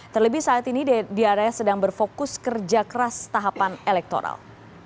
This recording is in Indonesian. terlebih saat ini di area sedang berfokus kerja keras tahapan elektoral